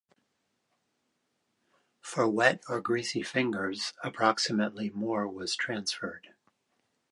For wet or greasy fingers approximately more was transferred.